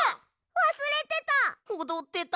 わすれてた！